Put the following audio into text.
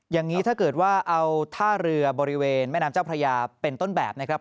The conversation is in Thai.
อย่างนี้ถ้าเกิดว่าเอาท่าเรือบริเวณแม่น้ำเจ้าพระยาเป็นต้นแบบนะครับ